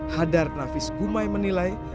hadar nafis gumai menilai